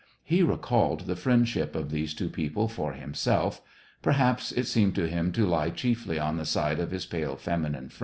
he recalled the friendship of these two people for himself (perhaps it seemed to him to lie chiefly on the side of his pale feminine SEVASTOPOL IN MAY.